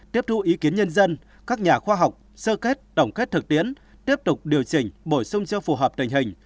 tiếp thu ý kiến nhân dân các nhà khoa học sơ kết tổng kết thực tiễn tiếp tục điều chỉnh bổ sung cho phù hợp tình hình